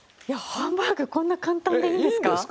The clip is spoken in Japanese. いやハンバーグこんな簡単でいいんですか？